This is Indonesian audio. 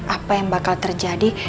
apa yang bakal terjadi